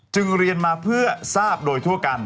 จึงเรียนมาเพื่อทราบโดยทั่วกัน